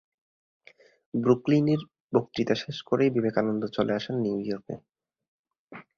ব্রুকলিনের বক্তৃতা শেষ করে বিবেকানন্দ চলে আসেন নিউ ইয়র্কে।